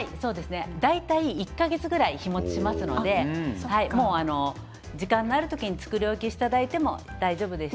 大体１か月くらい日もちしますので時間がある時に作り置きしていただいても大丈夫です。